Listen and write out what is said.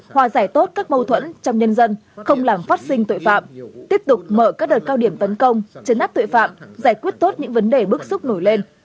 hòa giải tốt các mâu thuẫn trong nhân dân không làm phát sinh tội phạm tiếp tục mở các đợt cao điểm tấn công chấn áp tội phạm giải quyết tốt những vấn đề bức xúc nổi lên